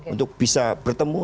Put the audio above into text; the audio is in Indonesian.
untuk bisa bertemu